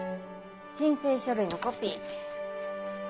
申請書類のコピー。